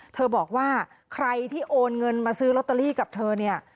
เธอบอกว่าใครที่โอนเงินมาซื้อลอตเตอรี่กับเธอเนี่ย